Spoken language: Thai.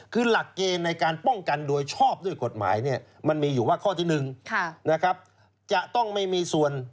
คือหลักเกณฑ์ในการป้องกันโดยชอบด้วยกฎหมายมันมีอยู่ว่าข้อที่๑